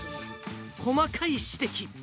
細かい指摘。